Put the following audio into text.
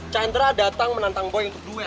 chandra datang menantang boy untuk duel